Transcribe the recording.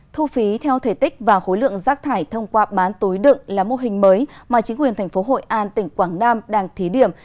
thu phí theo thể tích và khối lượng rác thải thông qua bán tối đựng là mô hình mới mà chính quyền thành phố hội an tỉnh quảng nam đang thí điểm